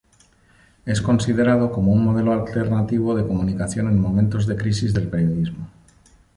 Es considerado como un modelo alternativo de comunicación en momentos de crisis del periodismo.